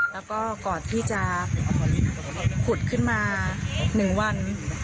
แล้วก็ก่อนที่จะขุดขึ้นมา๑วัน